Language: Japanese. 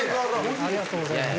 ありがとうございます。